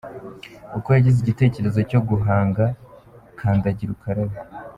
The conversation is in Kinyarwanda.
Uko yagize igitekerezo cyo guhanga kandagira ukarabe.